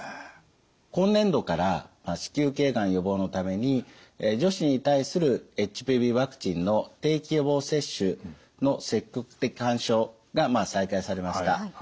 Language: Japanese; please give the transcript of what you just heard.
今年度から子宮頸がん予防のために女子に対するＨＰＶワクチンの定期予防接種の積極的勧奨が再開されました。